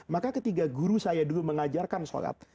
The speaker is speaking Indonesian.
maka ketika guru saya dulu mengajarkan sholat